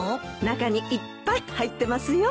中にいっぱい入ってますよ。